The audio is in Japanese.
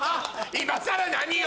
今更何よ